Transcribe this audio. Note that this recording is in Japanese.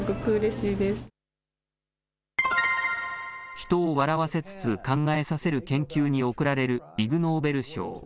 人を笑わせつつ考えさせる研究に贈られるイグ・ノーベル賞。